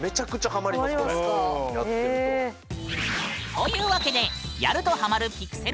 というわけでやるとハマるピクセル